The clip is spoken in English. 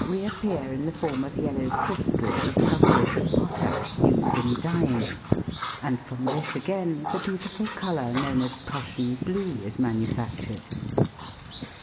reappear in the form of yellow crystals of prussiate of potash used in dyeing, and from this again PA PER MA KING. 281 the beautiful colour known as Prussian blue is manu factured.